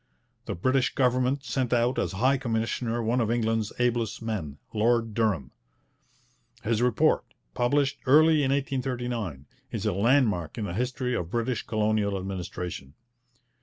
The British government sent out as High Commissioner one of England's ablest men, Lord Durham. His report, published early in 1839, is a landmark in the history of British colonial administration.